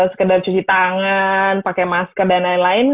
sekedar cuci tangan pakai masker dan lain lain